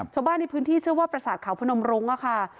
ชาวบ้านในพื้นที่เชื่อว่าประสาทเขาพนมรุ้งค่ะ